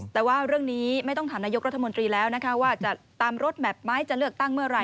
แต่ว่าเรื่องนี้ไม่ต้องถามนายกรัฐมนตรีแล้วนะคะว่าจะตามรถแมพไหมจะเลือกตั้งเมื่อไห